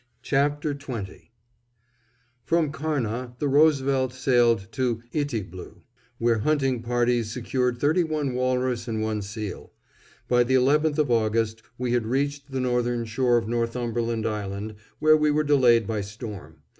COOK'S CLAIMS From Karnah the Roosevelt sailed to Itiblu, where hunting parties secured thirty one walrus and one seal. By the 11th of August we had reached the northern shore of Northumberland Island, where we were delayed by storm.